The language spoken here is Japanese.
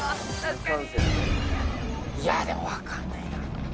でも分かんないな。